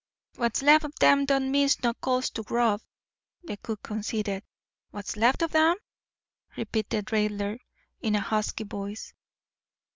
"What's left of 'em don't miss no calls to grub," the cook conceded. "What's left of 'em?" repeated Raidler in a husky voice.